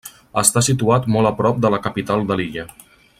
Està situat molt a prop de la capital de l'illa.